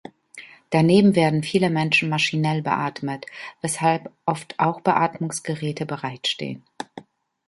Daneben werden viele Menschen maschinell beatmet, weshalb oft auch Beatmungsgeräte bereitstehen.